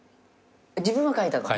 自分は書いたの。